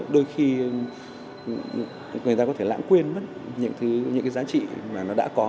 đôi khi người ta có thể lãng quên mất những cái giá trị mà nó đã có